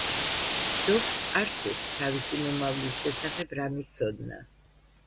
დოკს არ სურს თავისი მომავლის შესახებ რამის ცოდნა.